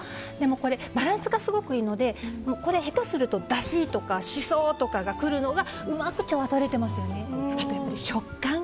これ、バランスがすごくいいので下手すると、だし！とかシソ！とかが来るのがうまく調和が取れていますよね。